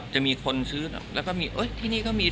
จะมีคนซื้อแล้วก็มีที่นี่ก็มี